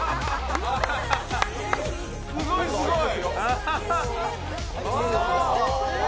すごいすごい！